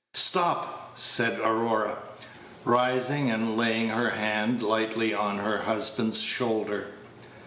"Stop," said Aurora, rising and laying her hand lightly on her husband's shoulder.